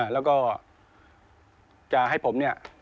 แล้วก็จะให้ผม